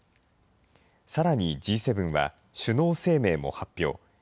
さらにＧ７は、首脳声明も発表。